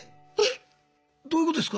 どういうことですか？